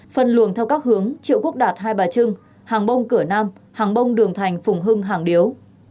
phân luồng theo các hướng triệu quốc đạt hai bà trưng hàng bông cửa nam hàng bông đường thành phùng hưng hàng điếu